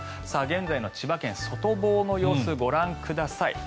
現在の千葉県外房の様子をご覧ください。